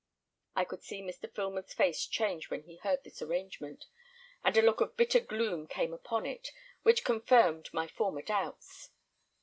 I could see Mr. Filmer's face change when he heard this arrangement; and a look of bitter gloom came upon it, which confirmed my former doubts.